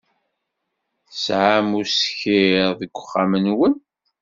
Tesɛam uskir deg uxxam-nwen?